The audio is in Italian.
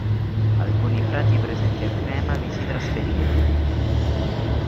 Alcuni frati presenti a Crema vi si trasferirono.